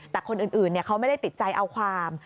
แต่คนอื่นเขาไม่ได้ติดใจเอาความ